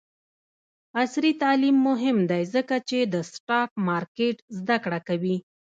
عصري تعلیم مهم دی ځکه چې د سټاک مارکیټ زدکړه کوي.